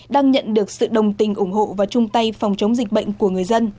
đang nhận được sự đồng tình ủng hộ và chung tay phòng chống dịch bệnh của người dân